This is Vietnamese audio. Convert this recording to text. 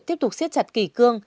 tiếp tục siết chặt kỳ cương